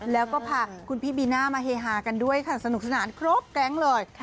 แล้วก็พาคุณพี่บีน่ามาเฮฮากันด้วยค่ะสนุกสนานครบแก๊งเลย